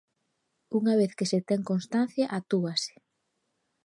Unha vez que se ten constancia, actúase.